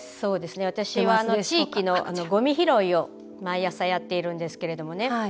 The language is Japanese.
私は、地域のごみ拾いを毎朝やっているんですけれどもね。